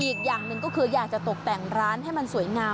อีกอย่างหนึ่งก็คืออยากจะตกแต่งร้านให้มันสวยงาม